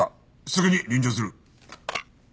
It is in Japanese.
すぐに臨場する。